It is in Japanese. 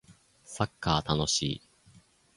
サッカー楽しい